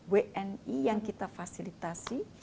wni yang kita fasilitasi